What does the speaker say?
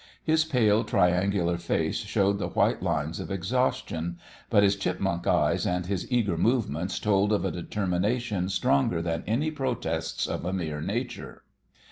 His pale, triangular face showed the white lines of exhaustion, but his chipmunk eyes and his eager movements told of a determination stronger than any protests of a mere nature.